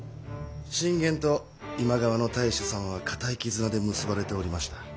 信玄と今川の太守様は固い絆で結ばれておりました。